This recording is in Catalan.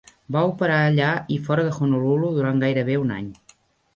Va operar allà i fora de Honolulu durant gairebé un any.